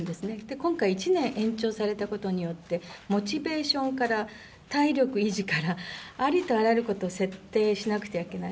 今回、１年延長されたことによってモチベーションから体力維持から、ありとあらゆることを設定しなくてはいけない。